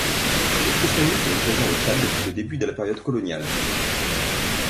Le christianisme est présent au Tchad depuis le début de la période coloniale.